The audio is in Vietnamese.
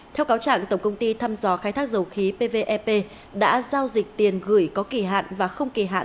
theo cáo trạng tổng công ty thăm dò khai thác dầu khí pvep đã giao dịch tiền gửi có kỳ hạn và không kỳ hạn